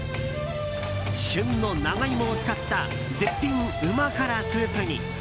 旬の長イモを使った絶品うま辛スープ煮。